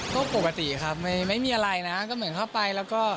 ก็ปกติครับไม่มีอะไรนะก็เหมือนเข้าไปแล้วก็